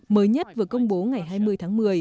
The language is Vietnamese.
mới nhất vừa công bố ngày hai mươi tháng một mươi